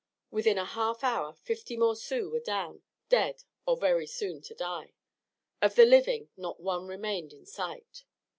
Within a half hour fifty more Sioux were down, dead or very soon to die. Of the living not one remained in sight.